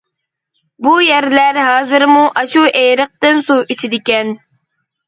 بۇ يەرلەر ھازىرمۇ ئاشۇ ئېرىقتىن سۇ ئىچىدىكەن.